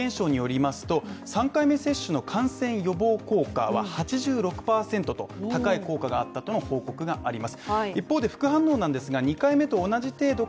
イスラエル保健省によりますと３回目接種の感染予防効果は８６％と高い効果があったとの報告があります